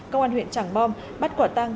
công an huyện tràng bom bắt quả tăng